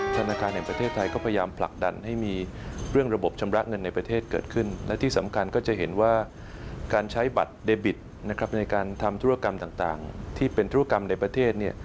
ธนาคารแห่งประเทศไทยก็พยายามผลักดันให้มีเรื่องระบบชำระเงินในประเทศเกิดขึ้นและที่สำคัญก็จะเห็นว่าการใช้บัตรเดบิตนะครับในการทำธุรกรรมต่างที่เป็นธุรกรรมในประเทศเนี่ย